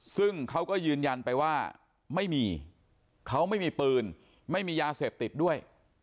ซึ่งเขาก็ยืนยันไปว่าไม่มีเขาไม่มีปืนไม่มียาเสพติดด้วย